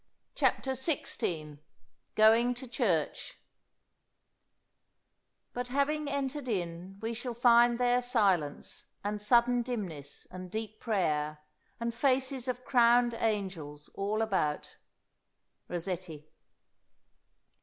CHAPTER XVI GOING TO CHURCH "But having entered in, we shall find there Silence, and sudden dimness, and deep prayer, And faces of crowned angels all about." ROSSETTI.